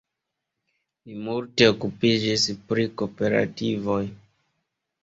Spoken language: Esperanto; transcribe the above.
Li multe okupiĝis pri kooperativoj.